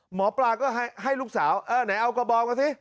หมอปลาก็ให้ลูกสาวเออไหนเอากระบองมาสิ